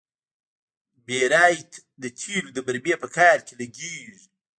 بیرایت د تیلو د برمې په کار کې لګیږي.